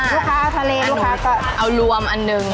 ลูกค้าเอาทะเลลูกค้าก็เอารวมอันหนึ่ง